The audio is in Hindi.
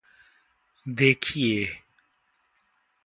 देखिए।